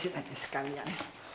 mirip aja sekalian